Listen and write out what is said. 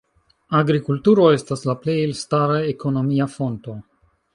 Agrikulturo estas la plej elstara ekonomia fonto.